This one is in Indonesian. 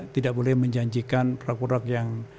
tidak boleh menjanjikan produk produk yang